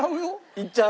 いっちゃう？